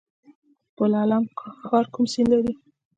پل علم ښار کوم سیند لري؟